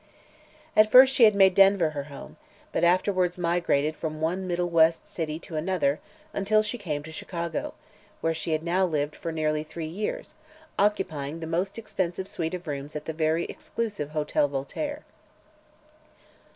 At first she had made Denver her home, but afterward migrated from one middle west city to another until she came to Chicago, where she had now lived for nearly three years, occupying the most expensive suite of rooms at the very exclusive Hotel Voltaire.